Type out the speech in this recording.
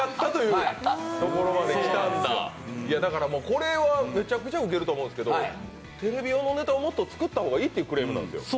だからこれはめちゃくちゃウケると思うんですけど、テレビ用のネタをもっと作った方がいいっていうクレームなんですよ。